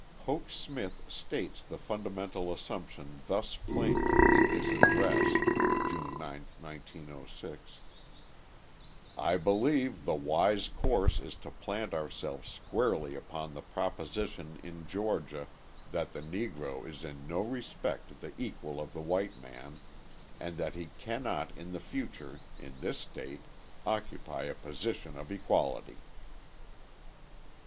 Hoke Smith states the fundamental assumption thus plainly in his address (June 9, 1906): "I believe the wise course is to plant ourselves squarely upon the proposition in Georgia that the Negro is in no respect the equal of the white man, and that he cannot in the future in this state occupy a position of equality."